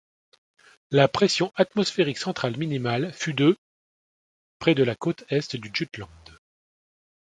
La pression atmosphérique centrale minimale fut de près de la côte est du Jutland.